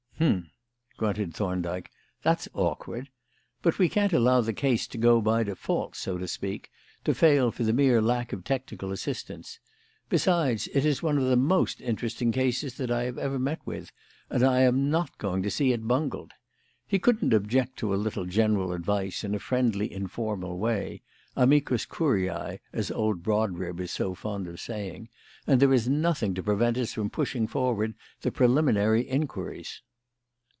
"H'm," grunted Thorndyke, "that's awkward. But we can't allow the case to go 'by default,' so to speak to fail for the mere lack of technical assistance. Besides, it is one of the most interesting cases that I have ever met with, and I am not going to see it bungled. He couldn't object to a little general advice in a friendly, informal way amicus curiae, as old Brodribb is so fond of saying; and there is nothing to prevent us from pushing forward the preliminary inquiries."